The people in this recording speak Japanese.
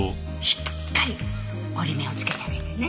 しっかり折り目をつけてあげてね。